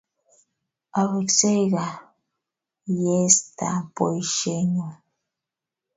Aweksei kaa yeatar poisyennyu